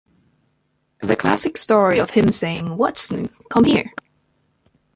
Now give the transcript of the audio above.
The classic story of him saying Watson, come here!